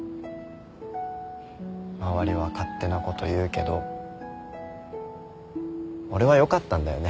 周りは勝手なこと言うけど俺はよかったんだよね。